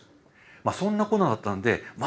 まあそんなこんなだったんでまあ